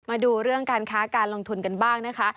มาดูเรื่องการค้าการลงทุนกันบ้างนะคะ